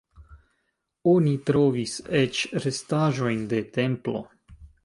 Oni trovis eĉ restaĵojn de templo.